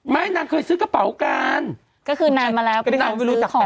ไม่นางเคยซื้อกระเป๋ากันก็คือนางมาแล้วนางรู้จักกัน